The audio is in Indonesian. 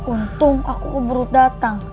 untung aku keburu datang